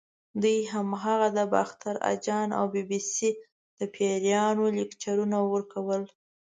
دوی هماغه د باختر اجان او بي بي سۍ د پیریانو لیکچرونه ورکول.